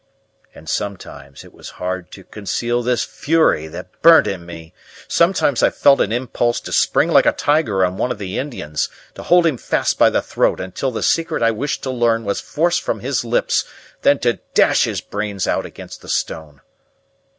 And sometimes it was hard to conceal this fury that burnt in me; sometimes I felt an impulse to spring like a tiger on one of the Indians, to hold him fast by the throat until the secret I wished to learn was forced from his lips, then to dash his brains out against the stone.